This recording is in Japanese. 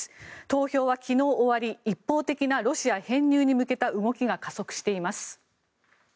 投票は昨日終わり、一方的なロシア編入に向けた動きが加速しています。